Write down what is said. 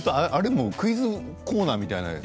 クイズコーナーみたいな。